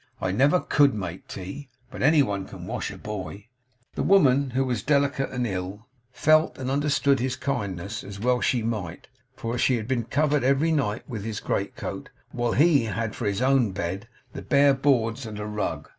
I never COULD make tea, but any one can wash a boy.' The woman, who was delicate and ill, felt and understood his kindness, as well she might, for she had been covered every night with his greatcoat, while he had for his own bed the bare boards and a rug.